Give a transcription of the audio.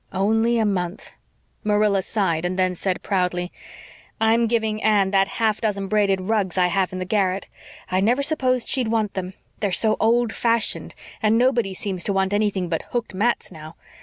Only a month! Marilla sighed and then said proudly: "I'm giving Anne that half dozen braided rugs I have in the garret. I never supposed she'd want them they're so old fashioned, and nobody seems to want anything but hooked mats now.